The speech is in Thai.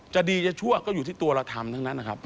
จะดีจะชั่วก็อยู่ที่ตัวเราทำทั้งนั้นนะครับ